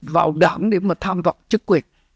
vào đảng để mà tham vọng chức quyền